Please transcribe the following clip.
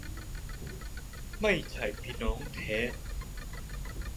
ไม่ใช่พี่น้องแท้